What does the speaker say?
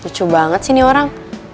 lucu banget sih ini orang